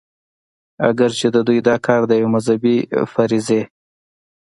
اګر چې د دوي دا کار د يوې مذهبي فريضې